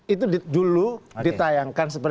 itu dulu ditayangkan